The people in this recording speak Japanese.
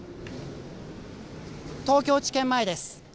東京地検前です。